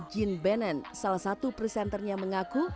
jean bannon salah satu presenternya mengaku